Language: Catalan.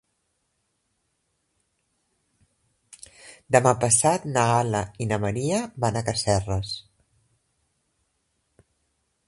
Demà passat na Gal·la i na Maria van a Casserres.